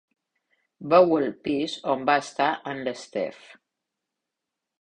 Veu el pis on va estar amb l'Steph.